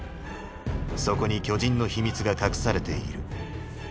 そこに巨人の秘密が隠されている。